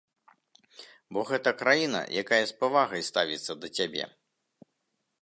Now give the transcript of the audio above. Бо гэта краіна, якая з павагай ставіцца да цябе.